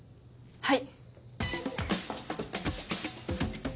はい。